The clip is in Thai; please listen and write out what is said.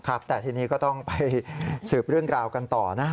ครับแต่ทีนี้ก็ต้องไปสืบเรื่องราวกันต่อนะ